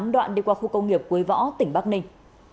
đoạn đi qua khu công nghiệp quế võ tỉnh bắc ninh